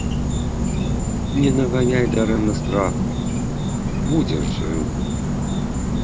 Не наганяй дарэмна страху, будзеш жыў.